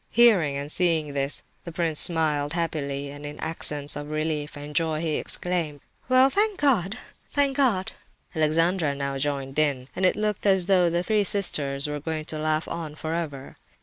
Hearing and seeing this, the prince smiled happily, and in accents of relief and joy, he exclaimed "Well, thank God—thank God!" Alexandra now joined in, and it looked as though the three sisters were going to laugh on for ever.